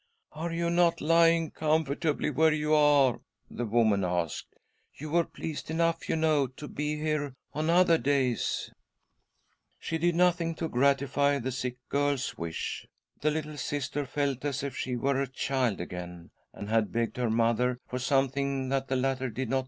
" Are you not lying comfortably where you are ?" the woman asked. " You were pleased enough, you know, to He here on other days." • She did nothing to gratify the sick girl's wish. The little Sister felt as if she were a child again, and had begged her mother for something that the latter did not